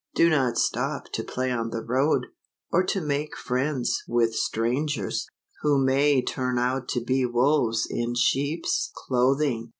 Do not stop to play on the road, or to make friends with strangers, who may turn out to be wolves in sheep's clothing.